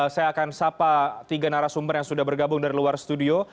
saya akan sapa tiga narasumber yang sudah bergabung dari luar studio